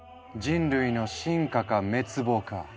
人類の進化か滅亡か！